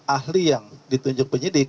ahli yang ditunjuk penyidik